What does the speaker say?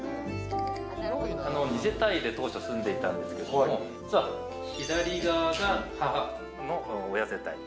二世帯で当初住んでいたんですけども、左側が母、親世帯。